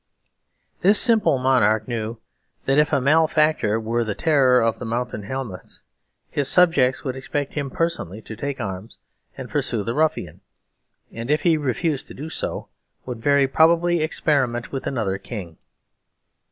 This simple monarch knew that if a malefactor were the terror of the mountain hamlets, his subjects would expect him personally to take arms and pursue the ruffian; and if he refused to do so, would very probably experiment with another king.